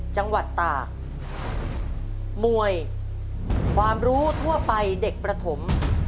จังหวัดตากมวยความรู้ทั่วไปเด็กประถม